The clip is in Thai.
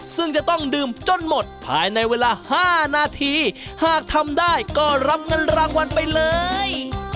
ซึ่งจะต้องดื่มจนหมดภายในเวลา๕นาทีหากทำได้ก็รับเงินรางวัลไปเลย